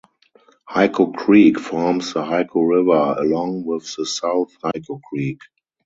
Hyco Creek forms the Hyco River along with South Hyco Creek.